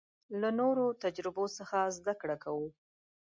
له نورو تجربو څخه زده کړه کوو.